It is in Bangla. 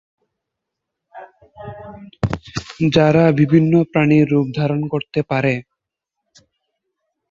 যারা বিভিন্ন প্রাণীর রুপ ধারণ করতে পারে।